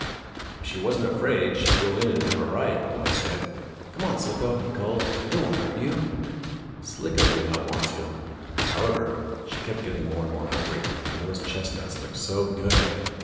"If she wasn't afraid, she'd go in and have a ride," the boy said. "Come on, Slicko," he called, "it won't hurt you." Slicko did not want to. However, she kept getting more and more hungry, and those chestnuts looked so good!